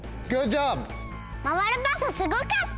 まわるパスすごかった！